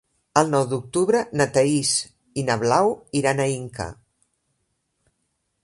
El nou d'octubre na Thaís i na Blau iran a Inca.